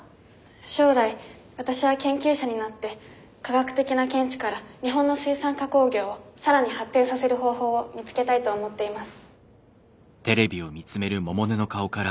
「将来私は研究者になって科学的な見地から日本の水産加工業を更に発展させる方法を見つけたいと思っています」。